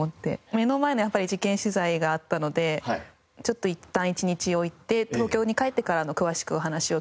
目の前のやっぱり事件取材があったのでちょっといったん一日置いて東京に帰ってから詳しくお話を聞いて。